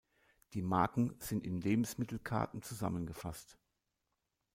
Die Marken sind in Lebensmittelkarten zusammengefasst.